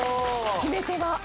決め手は？